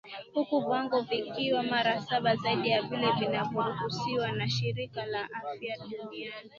huku viwango vikiwa mara saba zaidi ya vile vinavyoruhusiwa na shirika la afya duniani